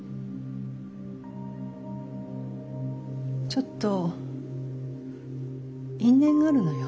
ちょっと因縁があるのよ。